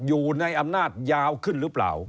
อยู่ในอำนาจยาวขึ้นหรือเปล่า